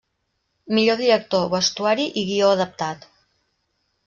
Millor director, vestuari i guió adaptat.